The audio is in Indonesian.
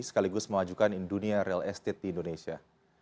sekaligus memajukan dunia real estate di indonesia